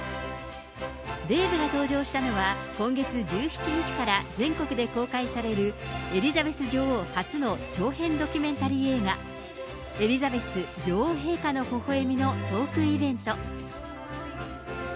デーブが登場したのは、今月１７日から全国で公開されるエリザベス女王初の長編ドキュメンタリー映画、エリザベス女王陛下の微笑みのトークイベント。